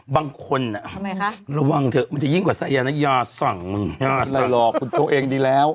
บางคนอ่ะทำไมคะระวังเถอะมันจะยิ่งกว่าสายยานอย่าสั่งอย่าสั่งไหล่หลอกคุณตัวเองดีแล้ว